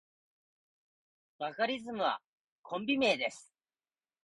バカリズムはコンビ名です。